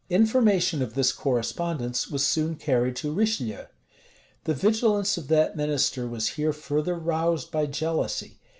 [*] Information of this correspondence was soon carried to Richelieu. The vigilance of that minister was here further roused by jealousy.